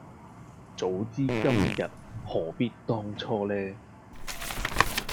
早知今日何必當初呢